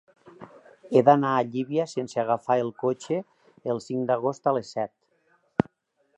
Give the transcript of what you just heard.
He d'anar a Llívia sense agafar el cotxe el cinc d'agost a les set.